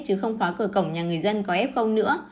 chứ không khóa cửa cổng nhà người dân có f nữa